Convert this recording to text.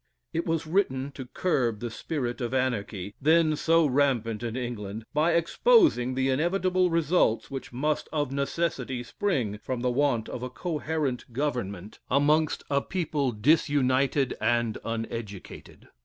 It was written to curb the spirit of anarchy, then so rampant in England, by exposing the inevitable results which must of necessity spring from the want of a coherent government amongst a people disunited and uneducated.